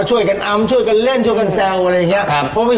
ช่วยกันแซวครับ